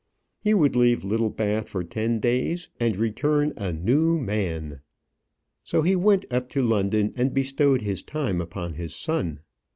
He would leave Littlebath for ten days, and return a new man. So he went up to London, and bestowed his time upon his son.